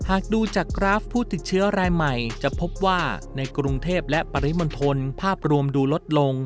หากดูจากกราฟผู้ติดเชื้อรายใหม่จะพบว่าในกรุงเทพและปริมณฑลภาพรวมดูลดลง